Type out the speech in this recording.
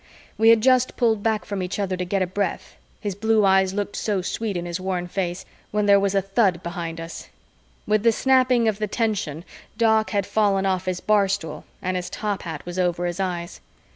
We had just pulled back from each other to get a breath his blue eyes looked so sweet in his worn face when there was a thud behind us. With the snapping of the tension, Doc had fallen off his bar stool and his top hat was over his eyes.